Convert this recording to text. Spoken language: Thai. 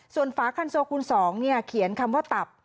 ส่วนฝาคันโซคูณ๒เขียนคำว่าตับ